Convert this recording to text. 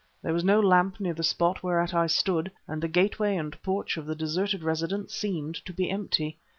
There was no lamp near the spot whereat I stood, and the gateway and porch of the deserted residence seemed to be empty.